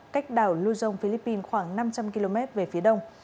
cách đảo luzon philippines khoảng năm trăm linh km về phía đông